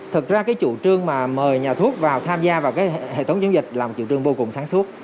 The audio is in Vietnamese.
thực ra cái chủ trương mà mời nhà thuốc vào tham gia vào cái hệ thống chống dịch là một chủ trương vô cùng sáng suốt